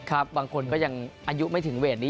บางคนก็ยังอายุไม่ถึงเวทนี้